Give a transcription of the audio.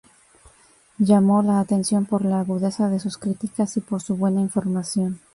Llamó la atención por la agudeza de sus críticas y por su buena formación.